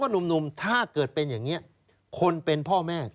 นะนะนะ